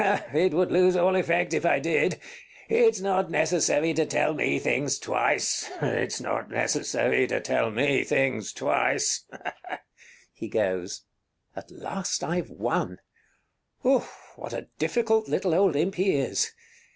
It would lose all effect if I did. It's not necessary to tell me things twice; it's not necessary to tell me things twice. [He goes.] Count [alone, soliloquizes] At last I've won! Ouf! What a difficult little old imp he is!